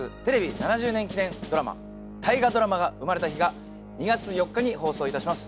７０年記念ドラマ「大河ドラマが生まれた日」が２月４日に放送いたします。